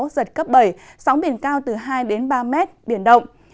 giật cấp bảy sóng biển cao từ hai ba m biển động